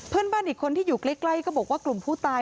เพื่อนบ้านอีกคนที่อยู่ใกล้ก็บอกว่ากลุ่มผู้ตาย